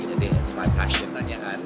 jadi it's my passion tanyaan